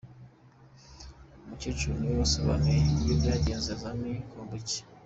Umukecuru ni we wasobanuye uko byagenze azanye n’icyombo cye.